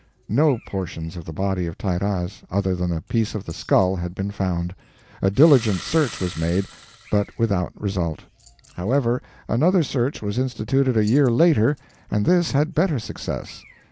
No portions of the body of Tairraz, other than a piece of the skull, had been found. A diligent search was made, but without result. However, another search was instituted a year later, and this had better success.